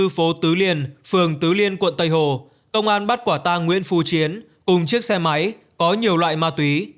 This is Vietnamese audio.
phố tứ liên phường tứ liên quận tây hồ công an bắt quả tang nguyễn phú chiến cùng chiếc xe máy có nhiều loại mạc túy